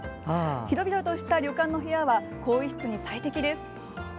広々とした旅館の部屋は更衣室に最適です。